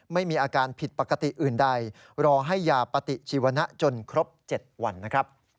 ไม่มีอาการผิดปกติอื่นใดรอให้ยาปฏิชีวนะจนครบ๗วันนะครับ